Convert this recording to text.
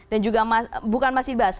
dan juga bukan masih dibahas